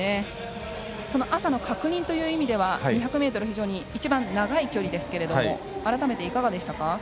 朝の確認という意味では２００ｍ非常に一番長い距離ですが改めていかがでしたか。